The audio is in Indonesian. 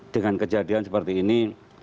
dengan kejadian seperti ini